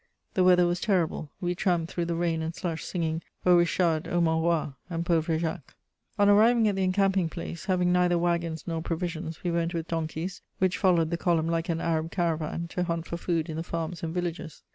The weather was terrible; we tramped through the rain and slush singing, Ô Richard! ô mon roi! and Pauvre Jacques! On arriving at the encamping place, having neither wagons nor provisions, we went with donkeys, which followed the column like an Arab caravan, to hunt for food in the farms and villages.